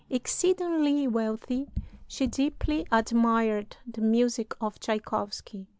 Exceedingly wealthy, she deeply admired the music of Tschaikowsky.